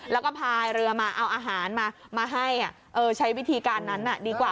แล้วก็พายเรือมาเอาอาหารมาให้ใช้วิธีการนั้นดีกว่า